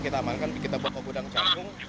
kita amankan kita bawa ke gudang jagung